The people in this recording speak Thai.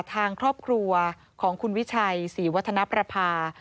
ทางครอบครัวของคุณวิชัยศรีวัฒนประภา